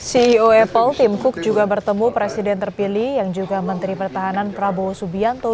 ceo apple tim cook juga bertemu presiden terpilih yang juga menteri pertahanan prabowo subianto